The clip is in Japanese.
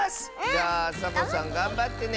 じゃあサボさんがんばってね！